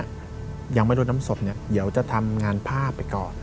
ยังไม่รู้น้ำศพเนี่ยเดี๋ยวจะทำงานผ้าไปก่อน